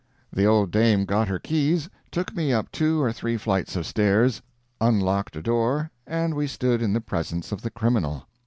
The old dame got her keys, took me up two or three flights of stairs, unlocked a door, and we stood in the presence of the criminal.